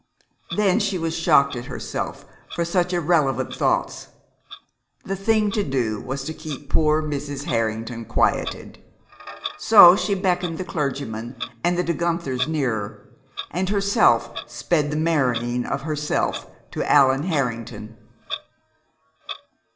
Then she was shocked at herself for such irrelevant thoughts. The thing to do was to keep poor Mrs. Harrington quieted. So she beckoned the clergyman and the De Guenthers nearer, and herself sped the marrying of herself to Allan Harrington.